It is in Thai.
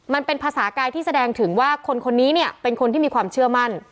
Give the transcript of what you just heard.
มันเป็นภาษากายที่แสดงถึงว่าคนคนนี้เนี่ยเป็นคนที่มีความเชื่อมั่น